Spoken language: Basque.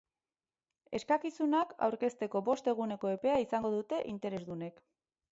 Eskakizunak aurkezteko bost eguneko epea izango dute interesdunek.